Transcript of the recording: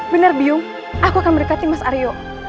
benar biung aku akan berdekati mas aryo